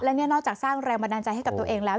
และนี่นอกจากสร้างแรงบันดาลใจให้กับตัวเองแล้ว